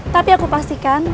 tapi aku pastikan